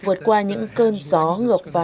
vượt qua những cơn gió ngược vào